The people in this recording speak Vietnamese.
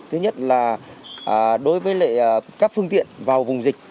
thứ nhất là đối với các phương tiện vào vùng dịch